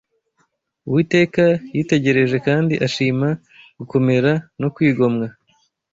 Uwiteka yitegereje kandi ashima gukomera no kwigomwa